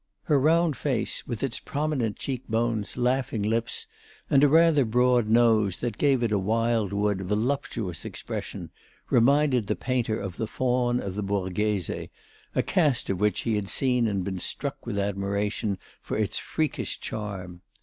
Her round face with its prominent cheek bones, laughing lips and rather broad nose, that gave it a wild wood, voluptuous expression, reminded the painter of the faun of the Borghese, a cast of which he had seen and been struck with admiration for its freakish charm.